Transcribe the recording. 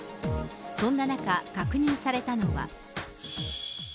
そんな中、確認されたのは。